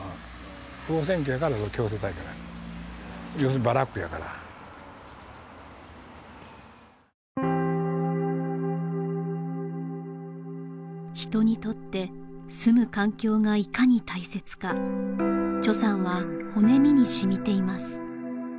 不法占拠やから強制退去になる要するにバラックやから人にとって住む環境がいかに大切かさんは骨身にしみています